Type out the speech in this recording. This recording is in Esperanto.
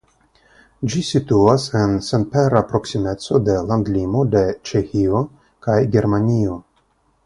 Ĝi situas en senpera proksimeco de landlimo de Ĉeĥio kaj Germanio.